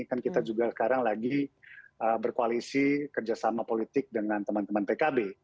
kan kita juga sekarang lagi berkoalisi kerjasama politik dengan teman teman pkb